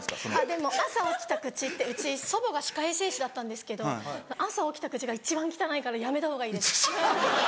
でも朝起きた口うち祖母が歯科衛生士だったんですけど朝起きた口が一番汚いからやめたほうがいいです。